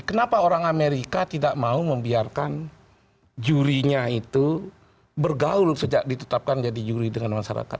kenapa orang amerika tidak mau membiarkan jurinya itu bergaul sejak ditetapkan jadi juri dengan masyarakat